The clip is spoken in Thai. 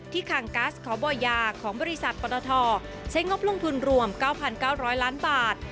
คังกัสขอบ่อยาของบริษัทปตทใช้งบลงทุนรวม๙๙๐๐ล้านบาท